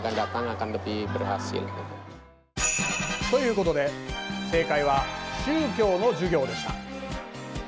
ということで正解は宗教の授業でした。